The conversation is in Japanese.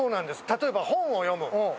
例えば本を読む。